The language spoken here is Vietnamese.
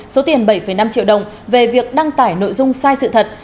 số tiền bảy năm triệu đồng về việc đăng tải nội dung sai sự thật